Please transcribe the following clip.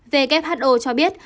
who cho biết